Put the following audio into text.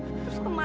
terus kemana tuan